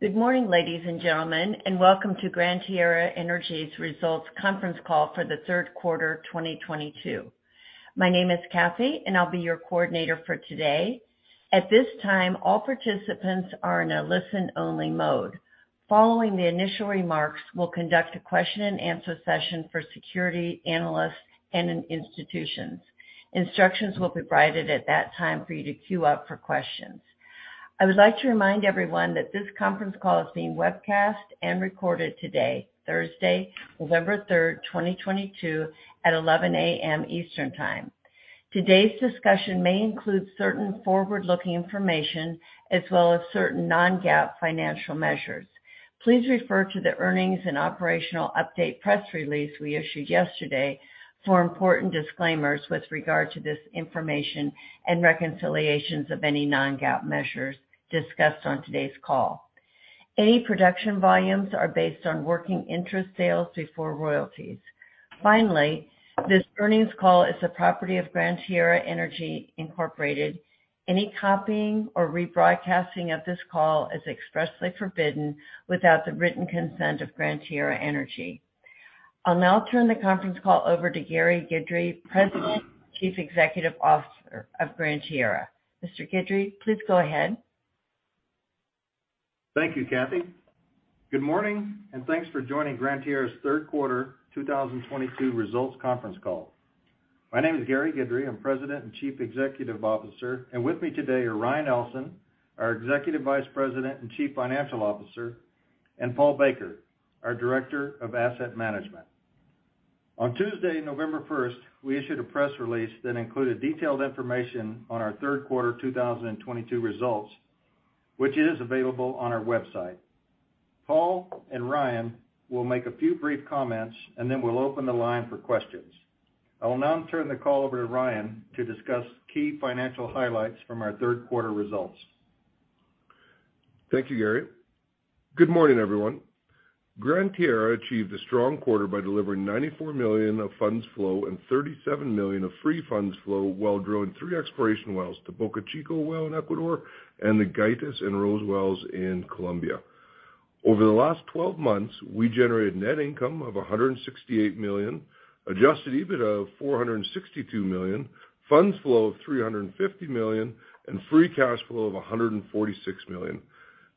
Good morning, ladies and gentlemen, and welcome to Gran Tierra Energy's Results Conference Call for the Q3 2022. My name is Kathy, and I'll be your coordinator for today. At this time, all participants are in a listen-only mode. Following the initial remarks, we'll conduct a question-and-answer session for security analysts and in institutions. Instructions will be provided at that time for you to queue up for questions. I would like to remind everyone that this conference call is being webcast and recorded today, Thursday, November 3, 2022, at 11:00 A.M. Eastern Time. Today's discussion may include certain forward-looking information as well as certain non-GAAP financial measures. Please refer to the earnings and operational update press release we issued yesterday for important disclaimers with regard to this information and reconciliations of any non-GAAP measures discussed on today's call. Any production volumes are based on working interest sales before royalties. Finally, this earnings call is the property of Gran Tierra Energy, Inc. Any copying or rebroadcasting of this call is expressly forbidden without the written consent of Gran Tierra Energy. I'll now turn the conference call over to Gary Guidry, President and Chief Executive Officer of Gran Tierra Energy. Mr. Guidry, please go ahead. Thank you, Kathy. Good morning, and thanks for joining Gran Tierra's Q3 2022 results conference call. My name is Gary Guidry. I'm President and Chief Executive Officer, and with me today are Ryan Ellson, our Executive Vice President and Chief Financial Officer, and Paul Baker, our Director of Asset Management. On Tuesday, November 1, we issued a press release that included detailed information on our Q3 2022 results, which is available on our website. Paul and Ryan will make a few brief comments, and then we'll open the line for questions. I will now turn the call over to Ryan to discuss key financial highlights from our Q3 results. Thank you, Gary. Good morning, everyone. Gran Tierra achieved a strong quarter by delivering $94 million of funds flow and $37 million of free funds flow, while drilling three exploration wells, the Bocachico well in Ecuador and the Gaitas and Rose wells in Colombia. Over the last 12 months, we generated net income of $168 million, adjusted EBITDA of $462 million, funds flow of $350 million, and free cash flow of $146 million.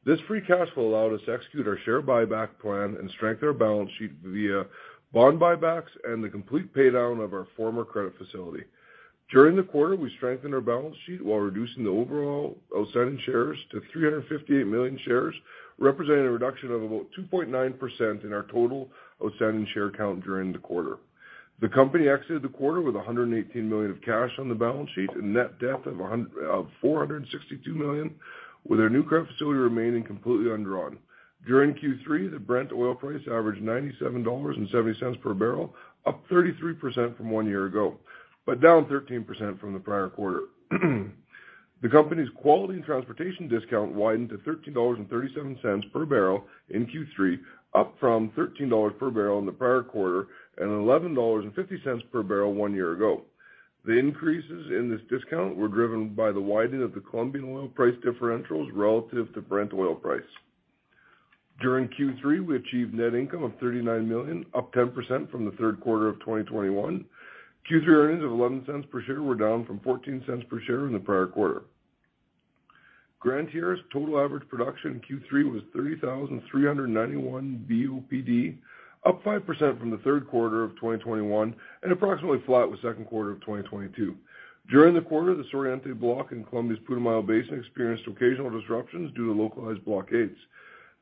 This free cash flow allowed us to execute our share buyback plan and strengthen our balance sheet via bond buybacks and the complete paydown of our former credit facility. During the quarter, we strengthened our balance sheet while reducing the overall outstanding shares to 358 million shares, representing a reduction of about 2.9% in our total outstanding share count during the quarter. The company exited the quarter with $118 million of cash on the balance sheet and net debt of 462 million, with our new credit facility remaining completely undrawn. During Q3, the Brent oil price averaged $97.70 per barrel, up 33% from one year ago, but down 13% from the prior quarter. The company's quality and transportation discount widened to $13.37 per barrel in Q3, up from $13 per barrel in the prior quarter and $11.50 per barrel one year ago. The increases in this discount were driven by the widening of the Colombian oil price differentials relative to Brent oil price. During Q3, we achieved net income of $39 million, up 10% from the Q3 of 2021. Q3 earnings of 11 cents per share were down from 14 cents per share in the prior quarter. Gran Tierra's total average production in Q3 was 30,291 BOPD, up 5% from the Q3 of 2021 and approximately flat with Q2 of 2022. During the quarter, the Suroriente Block in Colombia's Putumayo Basin experienced occasional disruptions due to localized blockades.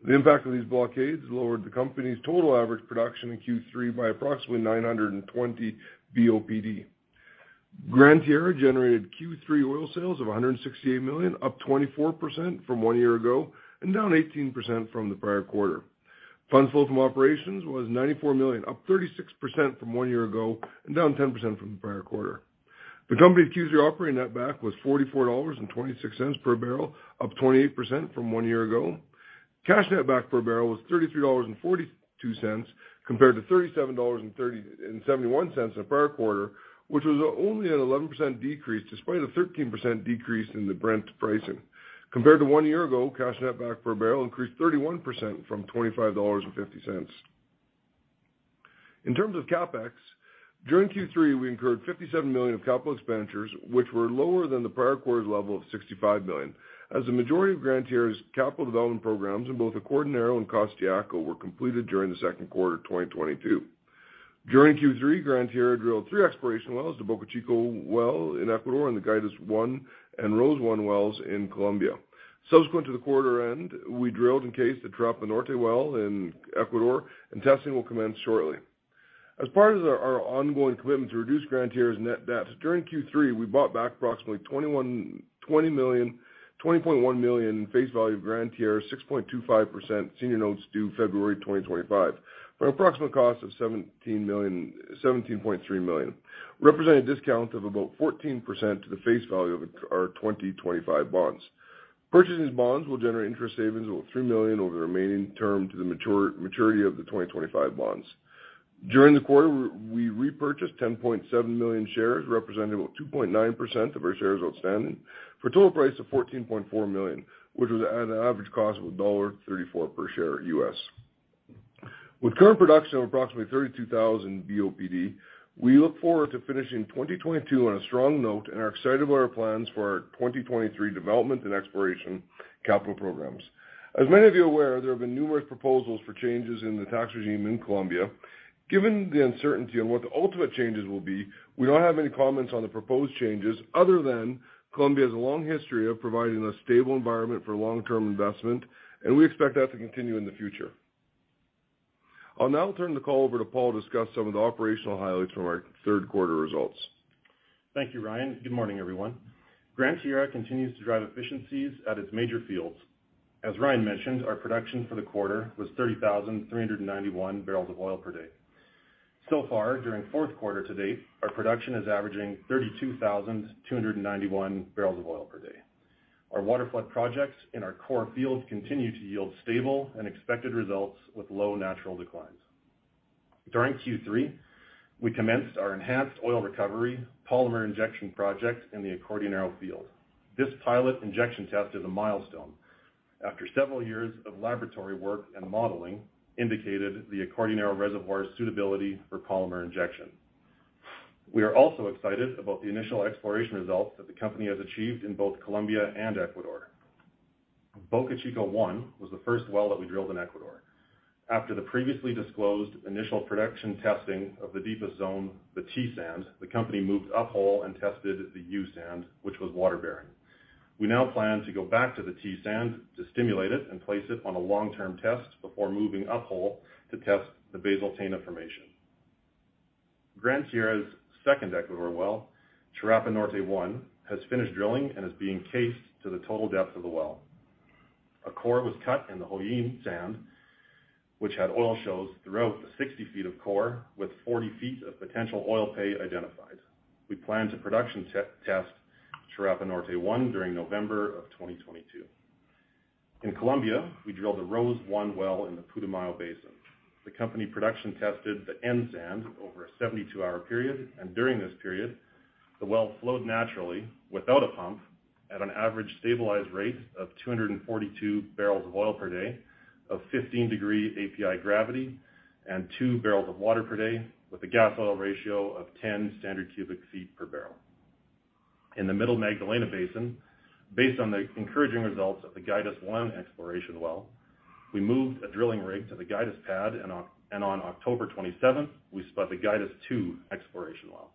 The impact of these blockades lowered the company's total average production in Q3 by approximately 920 BOPD. Gran Tierra generated Q3 oil sales of $168 million, up 24% from one year ago and down 18% from the prior quarter. Funds flow from operations was $94 million, up 36% from one year ago and down 10% from the prior quarter. The company's Q3 operating netback was $44.26 per barrel, up 28% from one year ago. Cash netback per barrel was $33.42 compared to $37.71 in the prior quarter, which was only an 11% decrease despite a 13% decrease in the Brent pricing. Compared to one year ago, cash netback per barrel increased 31% from $25.50. In terms of CapEx, during Q3 we incurred $57 million of capital expenditures which were lower than the prior quarter's level of $65 million, as the majority of Gran Tierra's capital development programs in both Acordionero and Costayaco were completed during the Q2 of 2022. During Q3, Gran Tierra drilled three exploration wells, the Bocachico well in Ecuador and the Gaitas-1 and Rose-1 wells in Colombia. Subsequent to the quarter end, we drilled the Charapa Norte well in Ecuador, and testing will commence shortly. As part of our ongoing commitment to reduce Gran Tierra's net debt, during Q3, we bought back approximately $20.1 million face value of Gran Tierra's 6.25% senior notes due February 2025 for an approximate cost of $17.3 million, representing a discount of about 14% to the face value of our 2025 bonds. Purchasing these bonds will generate interest savings of $3 million over the remaining term to the maturity of the 2025 bonds. During the quarter, we repurchased 10.7 million shares, representing about 2.9% of our shares outstanding for a total price of $14.4 million, which was at an average cost of $1.34 per share. With current production of approximately 32,000 BOPD, we look forward to finishing 2022 on a strong note and are excited about our plans for our 2023 development and exploration capital programs. As many of you are aware, there have been numerous proposals for changes in the tax regime in Colombia. Given the uncertainty on what the ultimate changes will be, we don't have any comments on the proposed changes other than Colombia's long history of providing a stable environment for long-term investment, and we expect that to continue in the future. I'll now turn the call over to Paul to discuss some of the operational highlights from our Q3 results. Thank you, Ryan. Good morning, everyone. Gran Tierra continues to drive efficiencies at its major fields. As Ryan mentioned, our production for the quarter was 30,391 barrels of oil per day. So far, during Q4 to date, our production is averaging 32,291 barrels of oil per day. Our waterflood projects in our core fields continue to yield stable and expected results with low natural declines. During Q3, we commenced our enhanced oil recovery polymer injection project in the Acordionero field. This pilot injection test is a milestone. After several years of laboratory work and modeling, indicated the Acordionero reservoir's suitability for polymer injection. We are also excited about the initial exploration results that the company has achieved in both Colombia and Ecuador. Bocachico-1 was the first well that we drilled in Ecuador. After the previously disclosed initial production testing of the deepest zone, the T sand, the company moved up hole and tested the U sand, which was water-bearing. We now plan to go back to the T sand to stimulate it and place it on a long-term test before moving up hole to test the basal Tena formation. Gran Tierra's second Ecuador well, Charapa Norte-1, has finished drilling and is being cased to the total depth of the well. A core was cut in the Hollin sand, which had oil shows throughout the 60 feet of core with 40 feet of potential oil pay identified. We plan to production test Charapa Norte-1 during November 2022. In Colombia, we drilled the Rose-1 well in the Putumayo Basin. The company production tested the N sand over a 72-hour period, and during this period, the well flowed naturally without a pump at an average stabilized rate of 242 barrels of oil per day of 15-degree API gravity and two barrels of water per day with a gas-oil ratio of 10 standard cubic feet per barrel. In the Middle Magdalena Basin, based on the encouraging results of the Gaitas-1 exploration well, we moved a drilling rig to the Gaitas pad, and on October 27, we spud the Gaitas-2 exploration well.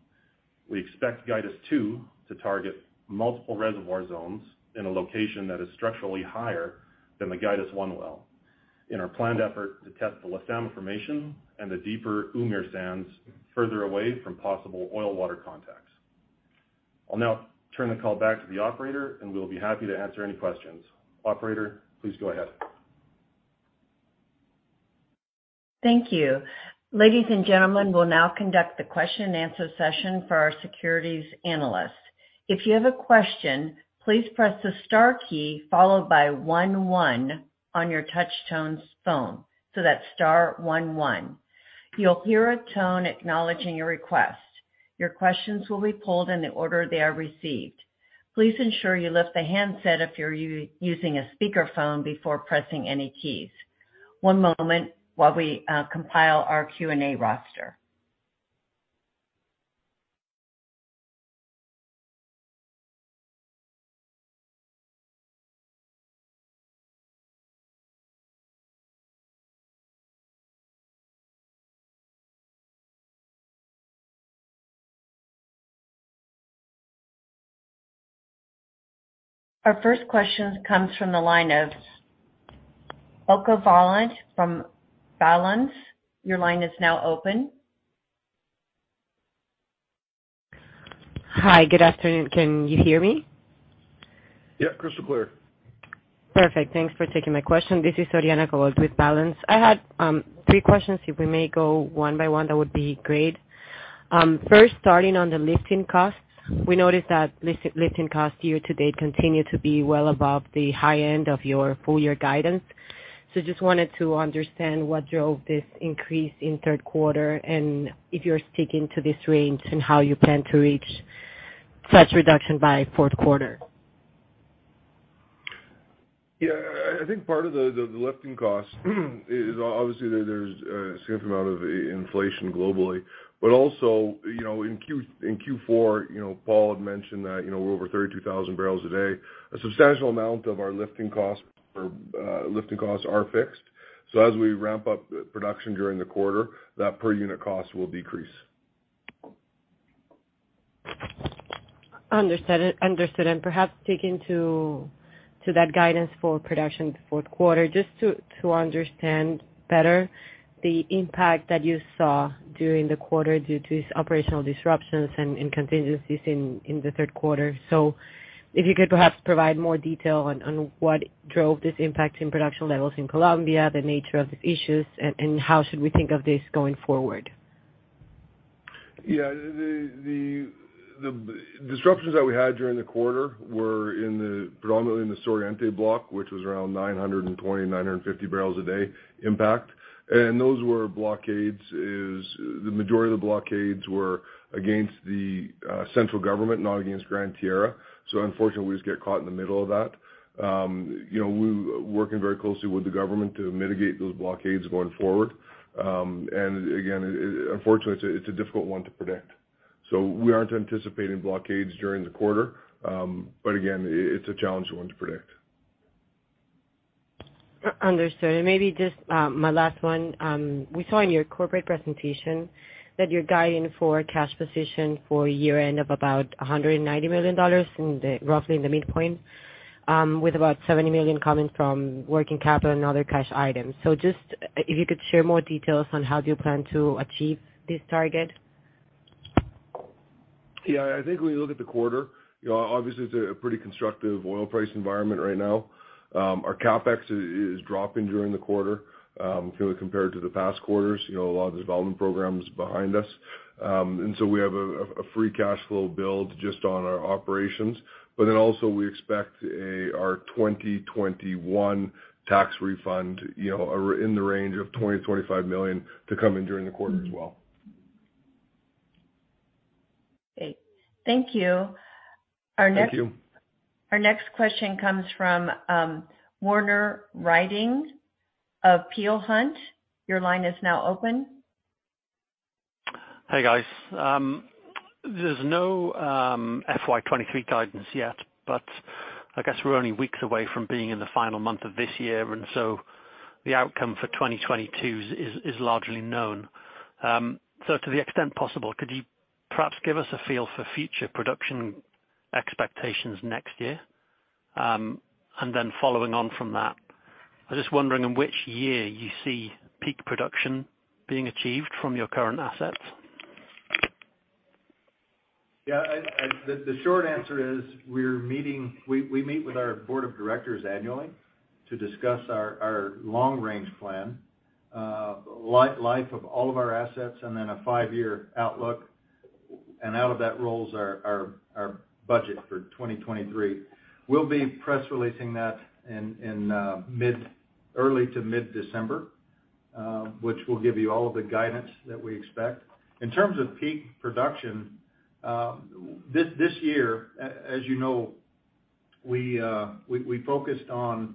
We expect Gaitas-2 to target multiple reservoir zones in a location that is structurally higher than the Gaitas-1 well in our planned effort to test the La Luna formation and the deeper Umir sands further away from possible oil water contacts. I'll now turn the call back to the operator, and we'll be happy to answer any questions. Operator, please go ahead. Thank you. Ladies and gentlemen, we'll now conduct the question and answer session for our securities analysts. If you have a question, please press the star key followed by one one on your touch-tone phone. So that's star one one. You'll hear a tone acknowledging your request. Your questions will be pulled in the order they are received. Please ensure you lift the handset if you're using a speakerphone before pressing any keys. One moment while we compile our Q&A roster. Our first question comes from the line of Oriana Covault from Balanz. Your line is now open. Hi. Good afternoon. Can you hear me? Yeah. Crystal clear. Perfect. Thanks for taking my question. This is Oriana Covault with Balanz. I had three questions. If we may go one by one, that would be great. First starting on the lifting costs. We noticed that lifting costs year to date continue to be well above the high end of your full year guidance. Just wanted to understand what drove this increase in Q3, and if you're sticking to this range and how you plan to reach such reduction by Q4. Yeah. I think part of the lifting costs is obviously there's a significant amount of inflation globally. You know, in Q4, you know, Paul had mentioned that, you know, we're over 32,000 barrels a day. A substantial amount of our lifting costs are fixed. As we ramp up production during the quarter, that per unit cost will decrease. Understood. Perhaps sticking to that guidance for production Q4, just to understand better the impact that you saw during the quarter due to operational disruptions and contingencies in the Q3. If you could perhaps provide more detail on what drove this impact in production levels in Colombia, the nature of the issues, and how should we think of this going forward? Yeah, the disruptions that we had during the quarter were predominantly in the Suroriente block, which was around 920-950 barrels a day impact. Those were blockades. The majority of the blockades were against the central government, not against Gran Tierra. Unfortunately, we just get caught in the middle of that. You know, we're working very closely with the government to mitigate those blockades going forward. And again, unfortunately, it's a difficult one to predict. We aren't anticipating blockades during the quarter. But again, it's a challenging one to predict. Understood. Maybe just my last one. We saw in your corporate presentation that you're guiding for cash position for year-end of about $190 million roughly in the midpoint, with about $70 million coming from working capital and other cash items. If you could share more details on how do you plan to achieve this target? Yeah, I think when you look at the quarter, you know, obviously it's a pretty constructive oil price environment right now. Our CapEx is dropping during the quarter, kind of compared to the past quarters, you know, a lot of the development programs behind us. We have a free cash flow build just on our operations. Also we expect our 2021 tax refund, you know, in the range of $20-$25 million to come in during the quarter as well. Okay. Thank you. Our next Thank you. Our next question comes from, Werner Riding of Peel Hunt. Your line is now open. Hey, guys. There's no FY 2023 guidance yet, but I guess we're only weeks away from being in the final month of this year, and the outcome for 2022 is largely known. To the extent possible, could you perhaps give us a feel for future production expectations next year? Following on from that, I was just wondering in which year you see peak production being achieved from your current assets? Yeah. The short answer is we meet with our board of directors annually to discuss our long-range plan, life of all of our assets and then a five-year outlook. Out of that rolls our budget for 2023. We'll be press releasing that in early to mid-December, which will give you all of the guidance that we expect. In terms of peak production, this year, as you know, we focused on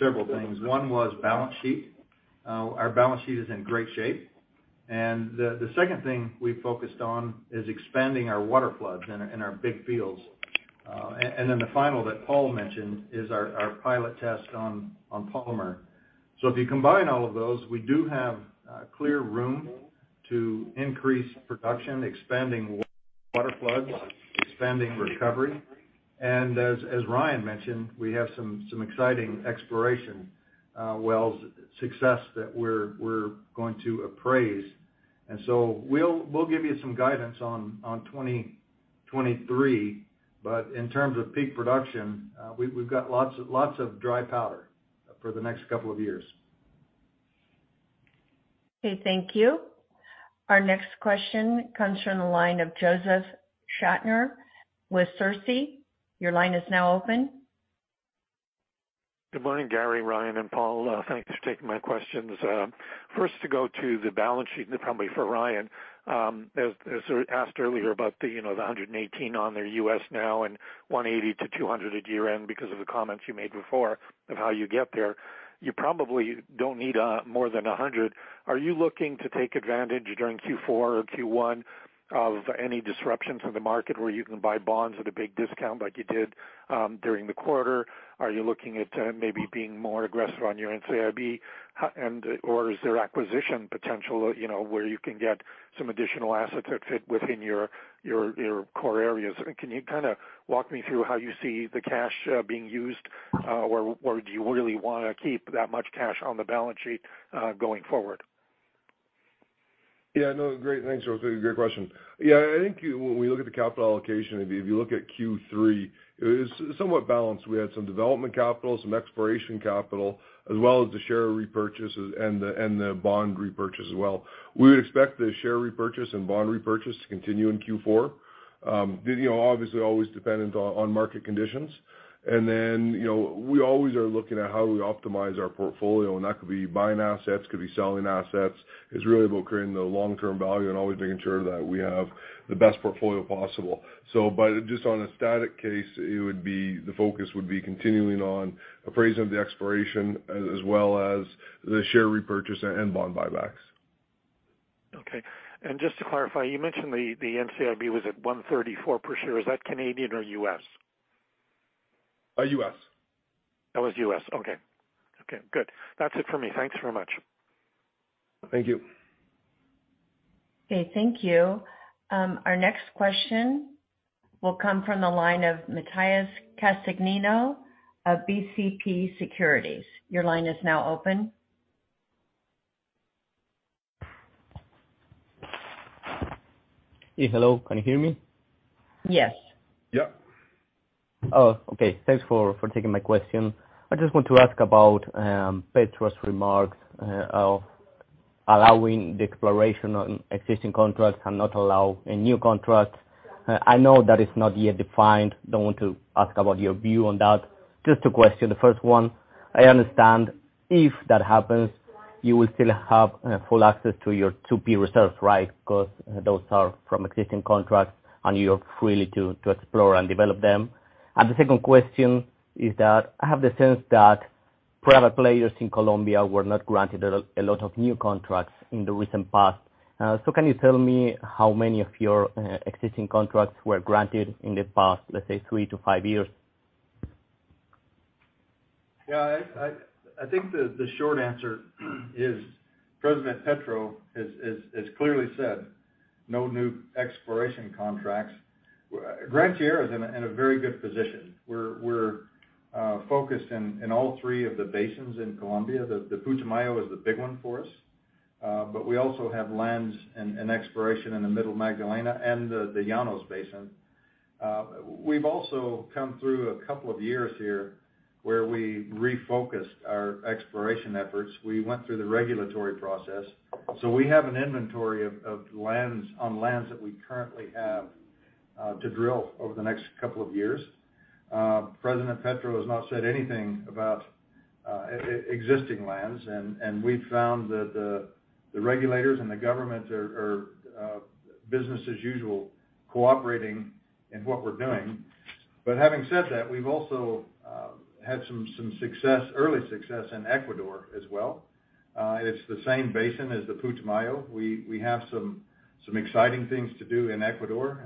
several things. One was balance sheet. Our balance sheet is in great shape. The second thing we focused on is expanding our waterfloods in our big fields. Then the final that Paul mentioned is our pilot test on polymer. If you combine all of those, we do have clear room to increase production, expanding waterfloods, expanding recovery. As Ryan mentioned, we have some exciting exploration wells success that we're going to appraise. We'll give you some guidance on 2023, but in terms of peak production, we've got lots of dry powder for the next couple of years. Okay, thank you. Our next question comes from the line of Josef Schachter with Schachter Energy Research. Your line is now open. Good morning, Gary, Ryan, and Paul. Thanks for taking my questions. First to go to the balance sheet, probably for Ryan, as sort of asked earlier about the, you know, the $118 now and $180-$200 at year-end because of the comments you made before of how you get there. You probably don't need more than $100. Are you looking to take advantage during Q4 or Q1 of any disruptions in the market where you can buy bonds at a big discount like you did during the quarter? Are you looking at maybe being more aggressive on your NCIB? Or is there acquisition potential, you know, where you can get some additional assets that fit within your core areas? Can you kinda walk me through how you see the cash being used? Or do you really wanna keep that much cash on the balance sheet going forward? Yeah, no, great. Thanks, Josef. Great question. Yeah, I think when we look at the capital allocation, if you look at Q3, it was somewhat balanced. We had some development capital, some exploration capital, as well as the share repurchases and the bond repurchase as well. We would expect the share repurchase and bond repurchase to continue in Q4. You know, obviously always dependent on market conditions. You know, we always are looking at how we optimize our portfolio, and that could be buying assets, could be selling assets. It's really about creating the long-term value and always making sure that we have the best portfolio possible. But just on a static case, the focus would be continuing on appraising the exploration as well as the share repurchase and bond buybacks. Okay. Just to clarify, you mentioned the NCIB was at 134 per share. Is that Canadian or US? U.S. That was us. Okay. Okay, good. That's it for me. Thanks very much. Thank you. Okay, thank you. Our next question will come from the line of Matías Castagnino of BCP Securities. Your line is now open. Yeah, hello. Can you hear me? Yes. Yeah. Oh, okay. Thanks for taking my question. I just want to ask about Petro's remarks of allowing the exploration on existing contracts and not allow a new contract. I know that is not yet defined. Don't want to ask about your view on that. Just to question the first one, I understand if that happens, you will still have full access to your 2P reserves, right? 'Cause those are from existing contracts, and you're free to explore and develop them. The second question is that I have the sense that private players in Colombia were not granted a lot of new contracts in the recent past. So can you tell me how many of your existing contracts were granted in the past, let's say three-five years? I think the short answer is President Petro has clearly said no new exploration contracts. Gran Tierra is in a very good position. We're focused in all three of the basins in Colombia. The Putumayo is the big one for us, but we also have lands and exploration in the Middle Magdalena and the Llanos Basin. We've also come through a couple of years here where we refocused our exploration efforts. We went through the regulatory process. We have an inventory of lands on lands that we currently have to drill over the next couple of years. President Petro has not said anything about existing lands, and we've found that the regulators and the government are business as usual, cooperating in what we're doing. Having said that, we've also had some early success in Ecuador as well. It's the same basin as the Putumayo. We have some exciting things to do in Ecuador.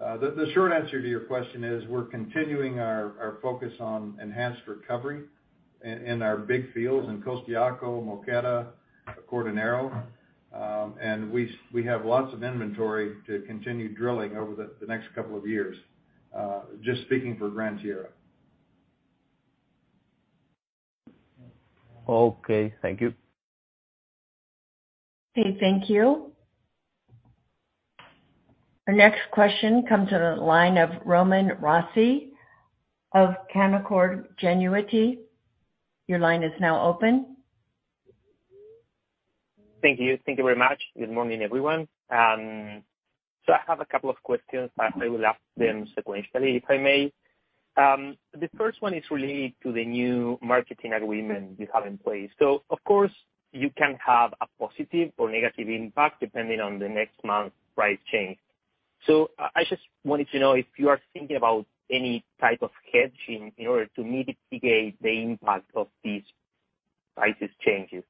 The short answer to your question is we're continuing our focus on enhanced recovery in our big fields in Costayaco, Moqueta, Acordionero. We have lots of inventory to continue drilling over the next couple of years, just speaking for Gran Tierra. Okay. Thank you. Okay, thank you. Our next question comes on the line of Roman Rossi of Canaccord Genuity. Your line is now open. Thank you. Thank you very much. Good morning, everyone. I have a couple of questions. I will ask them sequentially, if I may. The first one is related to the new marketing agreement you have in place. Of course, you can have a positive or negative impact depending on the next month's price change. I just wanted to know if you are thinking about any type of hedging in order to mitigate the impact of these price changes.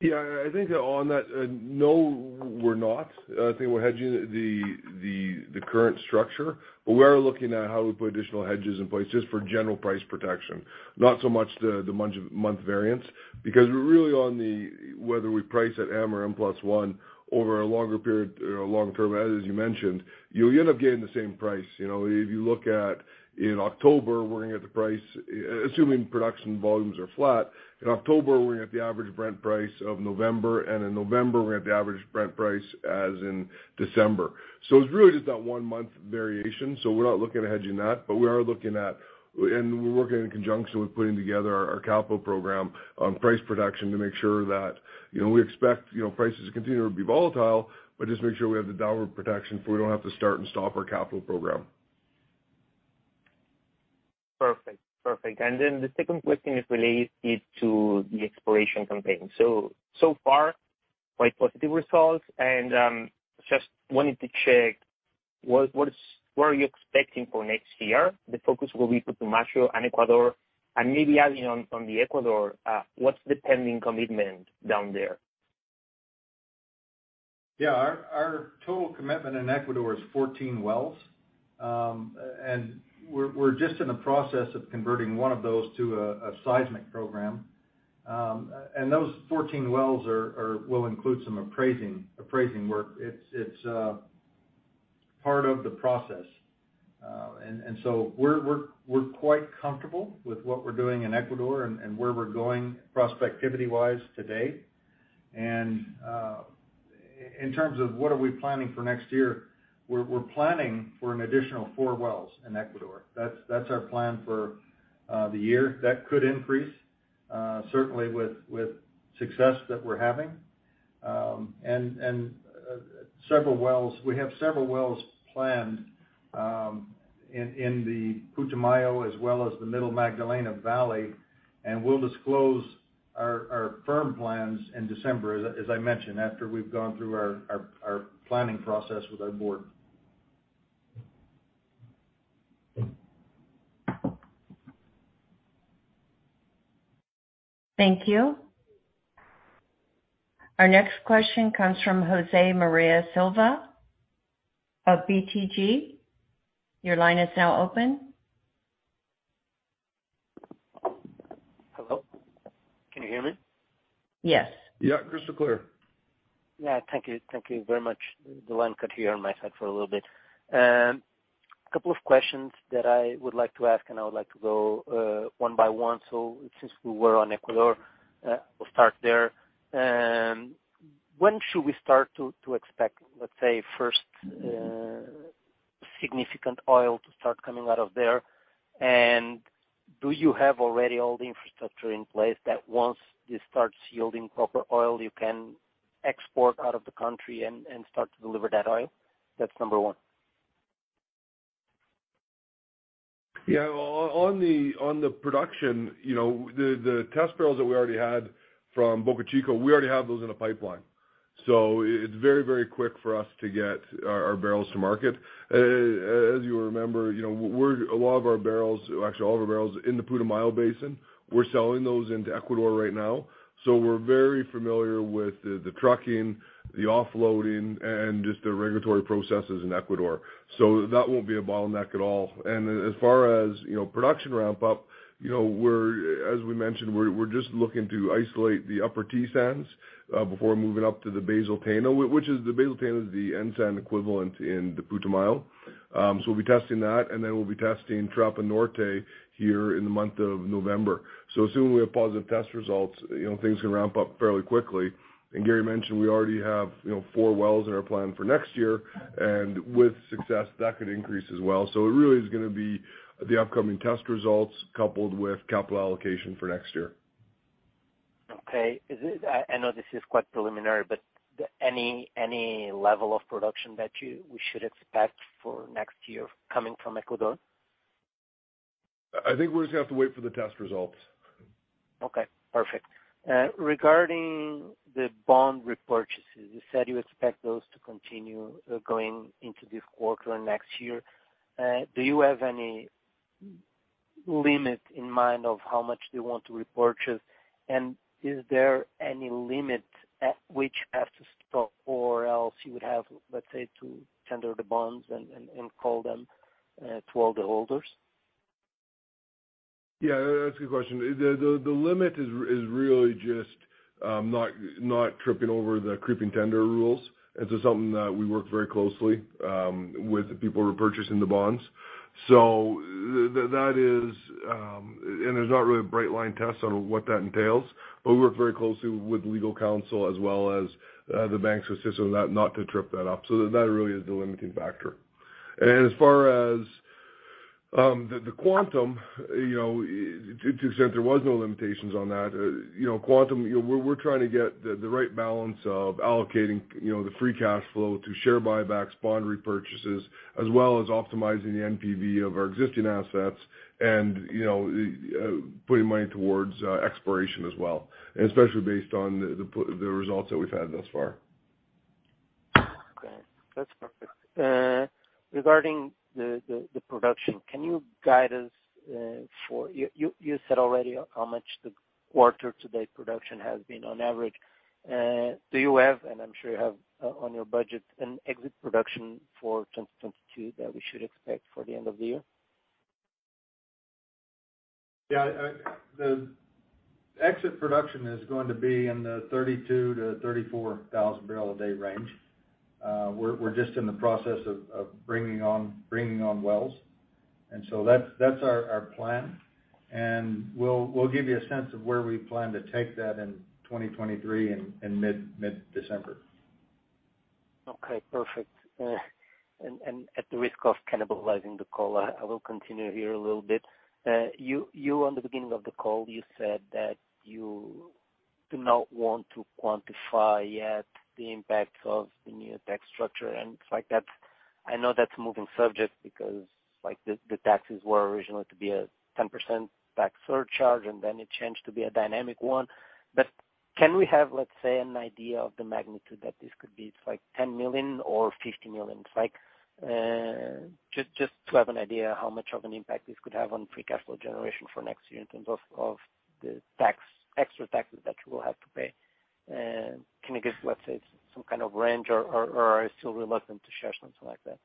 Yeah. I think on that, no, we're not. I think we're hedging the current structure, but we are looking at how we put additional hedges in place just for general price protection, not so much the month variance. We're really on whether we price at M or M plus one over a longer period or long-term, as you mentioned, you'll end up getting the same price. You know, if you look at in October, we're gonna get the price. Assuming production volumes are flat, in October, we're gonna get the average Brent price of November, and in November, we're gonna get the average Brent price of December. It's really just that one-month variation, so we're not looking at hedging that. We are looking at, and we're working in conjunction with putting together our capital program on price protection to make sure that, you know, we expect, you know, prices to continue to be volatile, but just make sure we have the downward protection, so we don't have to start and stop our capital program. Perfect. Perfect. The second question is related to the exploration campaign. So far, quite positive results. Just wanted to check, what are you expecting for next year? The focus will be Putumayo and Ecuador. Maybe adding on the Ecuador, what's the pending commitment down there? Yeah. Our total commitment in Ecuador is 14 wells. We're just in the process of converting one of those to a seismic program. Those 14 wells will include some appraising work. It's part of the process. We're quite comfortable with what we're doing in Ecuador and where we're going prospectivity-wise today. In terms of what we are planning for next year, we're planning for an additional 4 wells in Ecuador. That's our plan for the year. That could increase certainly with success that we're having. We have several wells planned in the Putumayo as well as the Middle Magdalena Valley, and we'll disclose our firm plans in December, as I mentioned, after we've gone through our planning process with our board. Thank you. Our next question comes from José-María Silva of BTG. Your line is now open. Hello? Can you hear me? Yes. Yeah, crystal clear. Yeah. Thank you. Thank you very much. The line cut here on my side for a little bit. A couple of questions that I would like to ask, and I would like to go one by one. Since we were on Ecuador, we'll start there. When should we start to expect, let's say, first significant oil to start coming out of there? Do you have already all the infrastructure in place that once this starts yielding proper oil, you can export out of the country and start to deliver that oil? That's number one. Yeah. On the production, you know, the test barrels that we already had from Bocachico, we already have those in a pipeline. So it's very quick for us to get our barrels to market. As you remember, you know, a lot of our barrels, actually all of our barrels in the Putumayo Basin, we're selling those into Ecuador right now. So we're very familiar with the trucking, the offloading, and just the regulatory processes in Ecuador. So that won't be a bottleneck at all. As far as, you know, production ramp up, you know, we're as we mentioned, we're just looking to isolate the upper T sands before moving up to the basal Tena which is the basal Tena is the N sand equivalent in the Putumayo. We'll be testing that, and then we'll be testing Charapa Norte here in the month of November. Assuming we have positive test results, you know, things can ramp up fairly quickly. Gary mentioned we already have, you know, 4 wells in our plan for next year, and with success, that could increase as well. It really is gonna be the upcoming test results coupled with capital allocation for next year. Okay. I know this is quite preliminary, but any level of production that we should expect for next year coming from Ecuador? I think we're just gonna have to wait for the test results. Okay. Perfect. Regarding the bond repurchases, you said you expect those to continue going into this quarter and next year. Do you have any limit in mind of how much they want to repurchase? Is there any limit at which you have to stop or else you would have, let's say, to tender the bonds and call them to all the holders? Yeah. That's a good question. The limit is really just not tripping over the creeping tender rules. This is something that we work very closely with the people repurchasing the bonds. That is and there's not really a bright line test on what that entails, but we work very closely with legal counsel as well as the banks to assist them that not to trip that up. That really is the limiting factor. As far as the quantum, you know, to an extent there was no limitations on that. You know, you know, we're trying to get the right balance of allocating, you know, the free cash flow to share buybacks, bond repurchases, as well as optimizing the NPV of our existing assets and, you know, putting money towards exploration as well, and especially based on the results that we've had thus far. Okay. That's perfect. Regarding the production, can you guide us? You said already how much the quarter to date production has been on average. Do you have, and I'm sure you have on your budget, an exit production for 2022 that we should expect for the end of the year? Yeah, the exit production is going to be in the 32,000-34,000 barrel a day range. We're just in the process of bringing on wells. That's our plan. We'll give you a sense of where we plan to take that in 2023 in mid-December. Okay. Perfect. At the risk of cannibalizing the call, I will continue here a little bit. You on the beginning of the call, you said that you do not want to quantify yet the impact of the new tax structure. Like that's. I know that's a moving subject because like the taxes were originally to be a 10% tax surcharge, and then it changed to be a dynamic one. Can we have, let's say, an idea of the magnitude that this could be? It's like $10 million or $50 million? Like, just to have an idea how much of an impact this could have on free cash flow generation for next year in terms of the tax extra taxes that you will have to pay. Can you give, let's say, some kind of range or are you still reluctant to share something like that?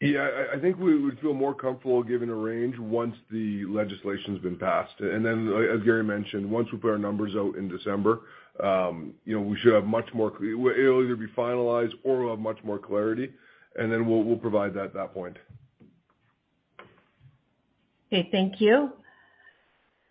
Yeah. I think we would feel more comfortable giving a range once the legislation's been passed. As Gary mentioned, once we put our numbers out in December, you know, it'll either be finalized or we'll have much more clarity, and then we'll provide that at that point. Okay, thank you.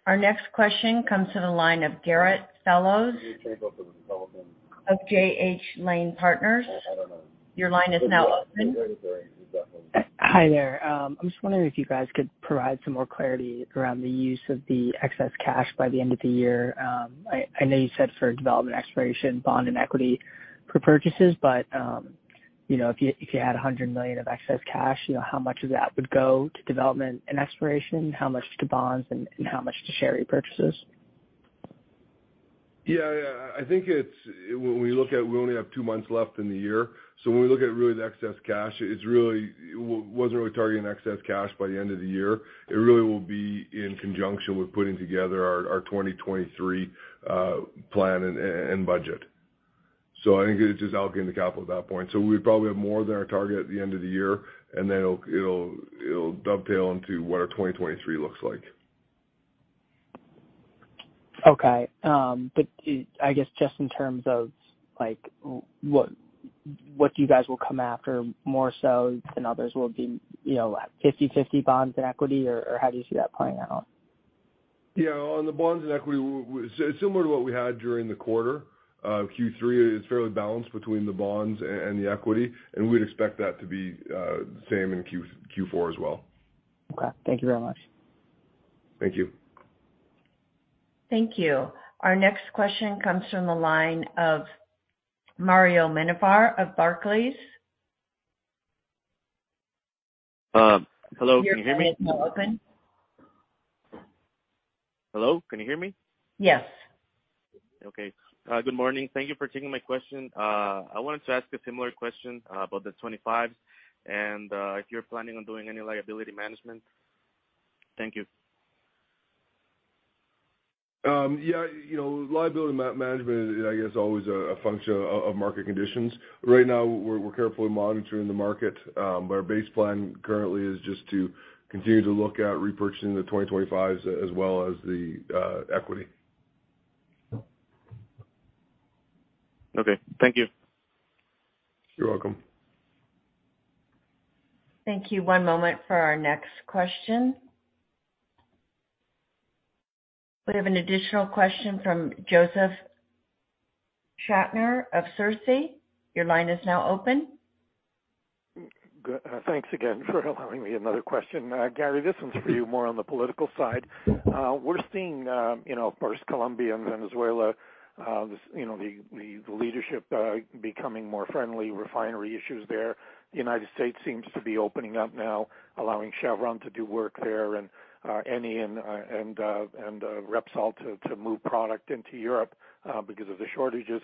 Our next question comes to the line of Garrett Fellows. Can you turn up the volume? Of J.H. Lane Partners. I don't know. Your line is now open. Gary, you've got him. Hi there. I'm just wondering if you guys could provide some more clarity around the use of the excess cash by the end of the year. I know you said for development exploration, bond and equity purchases, but you know, if you had $100 million of excess cash, you know, how much of that would go to development and exploration? How much to bonds and how much to share repurchases? Yeah. I think it's, when we look at, we only have two months left in the year. When we look at really the excess cash, it's really wasn't really targeting excess cash by the end of the year. It really will be in conjunction with putting together our 2023 plan and budget. I think it's just allocating the capital at that point. We probably have more than our target at the end of the year, and then it'll dovetail into what our 2023 looks like. I guess just in terms of, like, what you guys will come after more so than others will be, you know, 50/50 bonds and equity or how do you see that playing out? Yeah, on the bonds and equity similar to what we had during the quarter. Q3 is fairly balanced between the bonds and the equity, and we'd expect that to be same in Q4 as well. Okay. Thank you very much. Thank you. Thank you. Our next question comes from the line of Mario Mennefar of Barclays. Hello. Can you hear me? Your line is now open. Hello, can you hear me? Yes. Okay. Good morning. Thank you for taking my question. I wanted to ask a similar question, about the 25s and, if you're planning on doing any liability management. Thank you. Yeah, you know, liability management is, I guess, always a function of market conditions. Right now we're carefully monitoring the market, but our base plan currently is just to continue to look at repurchasing the 2025s as well as the equity. Okay. Thank you. You're welcome. Thank you. One moment for our next question. We have an additional question from Josef Schachter of Schachter Energy Research. Your line is now open. Thanks again for allowing me another question. Gary, this one's for you more on the political side. We're seeing, you know, first Colombia and Venezuela, this, you know, the leadership becoming more friendly, refinery issues there. United States seems to be opening up now, allowing Chevron to do work there and ENI and Repsol to move product into Europe because of the shortages.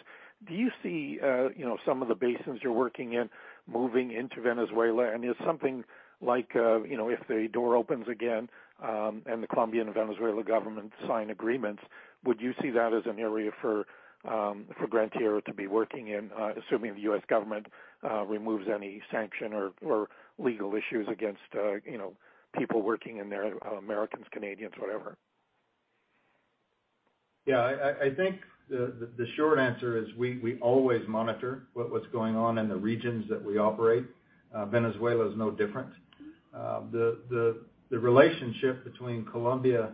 Do you see, you know, some of the basins you're working in moving into Venezuela? Is something like, you know, if the door opens again, and the Colombian and Venezuelan government sign agreements, would you see that as an area for Gran Tierra to be working in, assuming the U.S. government removes any sanction or legal issues against, you know, people working in there, Americans, Canadians, whatever? Yeah. I think the short answer is we always monitor what was going on in the regions that we operate. Venezuela is no different. The relationship between Colombia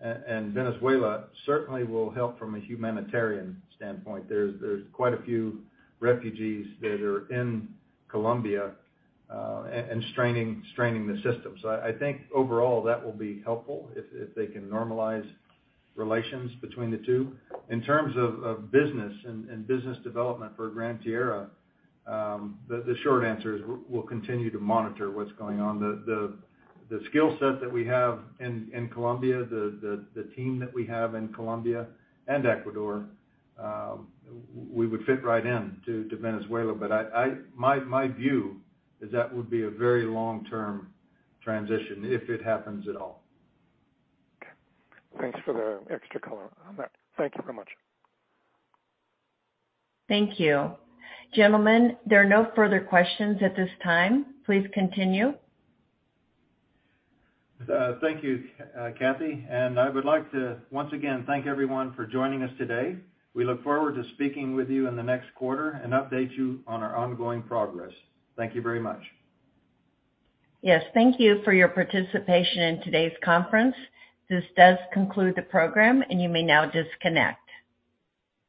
and Venezuela certainly will help from a humanitarian standpoint. There's quite a few refugees that are in Colombia and straining the system. I think overall that will be helpful if they can normalize relations between the two. In terms of business and business development for Gran Tierra, the short answer is we'll continue to monitor what's going on. The skill set that we have in Colombia, the team that we have in Colombia and Ecuador, we would fit right into Venezuela. My view is that would be a very long-term transition if it happens at all. Okay. Thanks for the extra color on that. Thank you so much. Thank you. Gentlemen, there are no further questions at this time. Please continue. Thank you, Kathy. I would like to once again thank everyone for joining us today. We look forward to speaking with you in the next quarter and update you on our ongoing progress. Thank you very much. Yes, thank you for your participation in today's conference. This does conclude the program, and you may now disconnect.